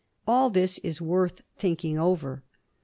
All this is worth thinking over.